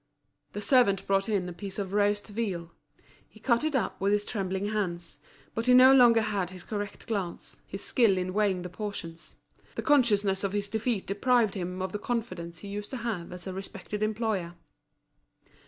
The servant brought in a piece of roast veal. He cut it up with his trembling hands; but he no longer had his correct glance, his skill in weighing the portions. The consciousness of his defeat deprived him of the confidence he used to have as a respected employer.